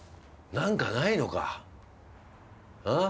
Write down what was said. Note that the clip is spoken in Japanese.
何かないのか？